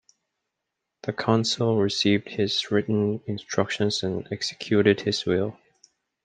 The council received his written instructions and executed his will.